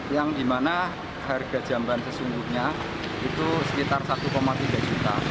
yang di mana harga jamban sesungguhnya itu sekitar rp satu tiga juta